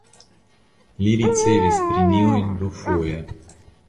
Li ricevis premiojn dufoje.